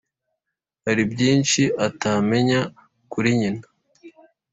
hari byinshi atamenya kuri nyina. “